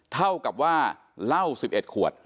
เท่ากับว่าเหล้า๑๑ขวด